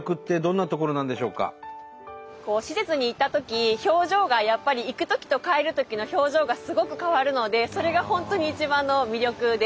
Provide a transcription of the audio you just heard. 施設に行ったとき表情がやっぱり行くときと帰るときの表情がすごく変わるのでそれが本当に一番の魅力です。